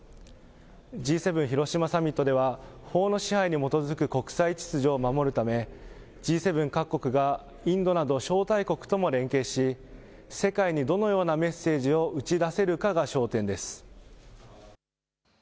Ｇ７広島サミットでは法の支配に基づく国際秩序を守るため、Ｇ７各国がインドなど招待国とも連携し、世界にどのようなメッセージを打ち出せるかが焦点です。